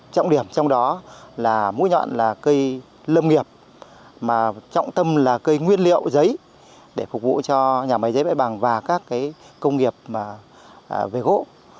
trọng điểm trong đó là mũi nhọn là cây lâm nghiệp mà trọng tâm là cây nguyên liệu giấy để phục vụ cho nhà máy giấy bãi bằng và các công nghiệp về gỗ